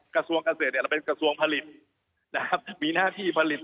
กระทรวงเกษตรเนี่ยเราเป็นกระทรวงผลิต